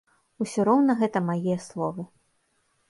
Усё роўна гэта мае словы.